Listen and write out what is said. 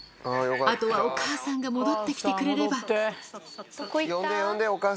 あとはお母さんが戻ってきてくれれば。